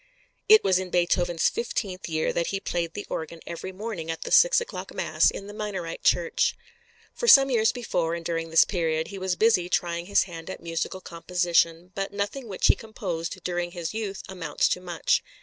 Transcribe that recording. It was in Beethoven's fifteenth year that he played the organ every morning at the six o'clock mass in the Minorite church. For some years before and during this period he was busy trying his hand at musical composition, but nothing which he composed during his youth amounts to much.